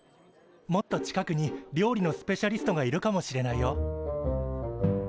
もっと近くに料理のスペシャリストがいるかもしれないよ。